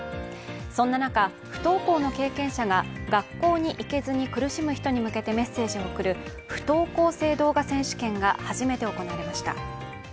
そんな中、不登校の経験者が学校に行けずに苦しむ人に向けてメッセージを送る不登校生動画選手権が初めて行われました。